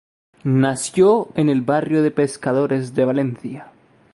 Nació en el barrio de pescadores de Valencia.